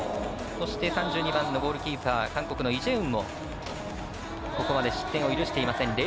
そして、３２番のゴールキーパー韓国のイ・ジェウンもここまで失点を許していません。